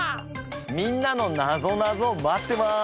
みんなのなぞなぞ待ってます。